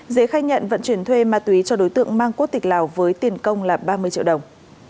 dễ khai nhận vận chuyển thuê ma túy cho đối tượng mang quốc tịch lào với tiền công là ba mươi triệu đồng